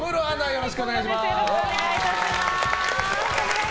よろしくお願いします。